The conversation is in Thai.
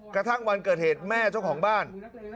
กระทั่งวันเกิดเหตุแม่เจ้าของบ้าน